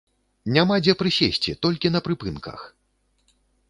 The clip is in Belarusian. Няма дзе прысесці, толькі на прыпынках!